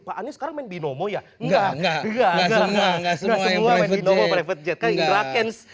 pak anies sekarang main binomo ya enggak enggak enggak enggak semua yang private jet kan indrakens